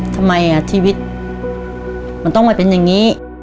ทำไมชีวิตมันต้องมาเป็นอย่างนี้